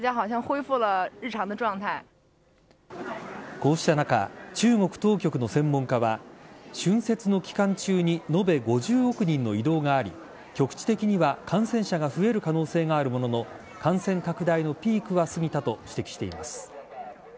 こうした中中国当局の専門家は春節の期間中に延べ５０億人の移動があり局地的には感染者が増える可能性があるものの感染拡大のピークは過ぎたと指摘しています。